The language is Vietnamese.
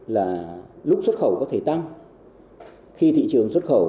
là lúc xuất khẩu có thể tăng khi thị trường xuất khẩu